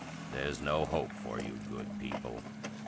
There's no hope for you, good people.